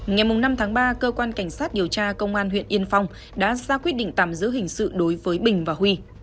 ngày năm tháng ba cơ quan cảnh sát điều tra công an huyện yên phong đã ra quyết định tạm giữ hình sự đối với bình và huy